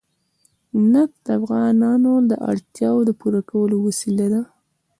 نفت د افغانانو د اړتیاوو د پوره کولو وسیله ده.